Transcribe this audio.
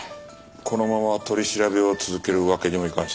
このまま取り調べを続けるわけにもいかんしなあ。